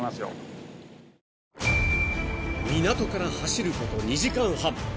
［港から走ること２時間半］